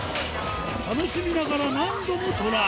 楽しみながら何度もトライ